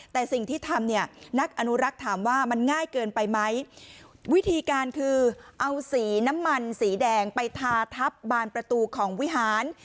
แต่สิ่งที่ทำเนี่ยนักอนุรักษ์ถามว่ามันง่ายเกินไปไหมวิธีการคือเอาสีน้ำมันสีแดงไปทาทับบานประตูของวิหาร